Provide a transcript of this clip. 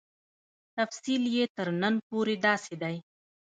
تفصیل یې تر نن پورې داسې دی.